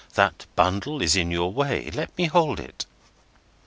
That bundle is in your way; let me hold it."